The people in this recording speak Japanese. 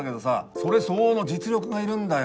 それ相応の実力がいるんだよ。